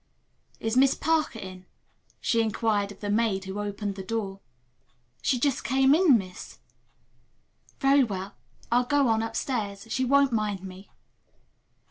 "Is Miss Parker in?" she inquired of the maid who opened the door. "She just came in, miss." "Very well. I'll go on upstairs. She won't mind me."